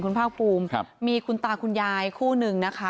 คุณภาคภูมิมีคุณตาคุณยายคู่หนึ่งนะคะ